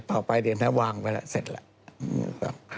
ต่อไปเดี๋ยวนี้วางไปแล้วเสร็จแล้ว